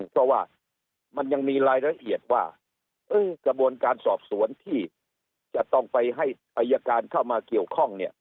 เพราะว่ามันยังมีรายละเอียดว่ากระบวนการสอบสวนที่จะต้องไปให้อายการเข้ามาเกี่ยวข้องเนี่ย